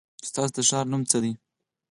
ستاسو د ښار نو څه دی ؟